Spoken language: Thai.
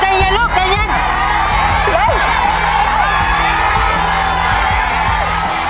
ใจเย็นลูกใจเย็น